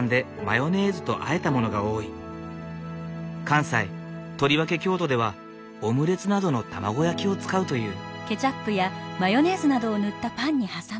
関西とりわけ京都ではオムレツなどの卵焼きを使うという。